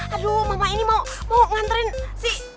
aduh mama ini mau mau nganterin si